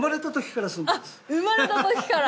あっ生まれた時から。